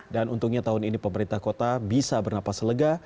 dan untungnya tahun ini pemerintah kota bisa bernapas lega